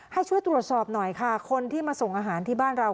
ให้ช่วยตรวจสอบหน่อยค่ะคนที่มาส่งอาหารที่บ้านเรา